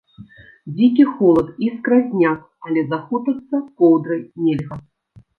Дзікі холад і скразняк, але захутацца коўдрай нельга.